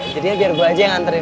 jadinya biar gue aja yang nganterin